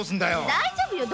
大丈夫よ。